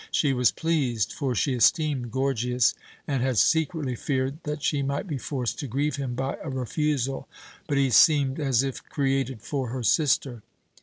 She was pleased; for she esteemed Gorgias, and had secretly feared that she might be forced to grieve him by a refusal, but he seemed as if created for her sister.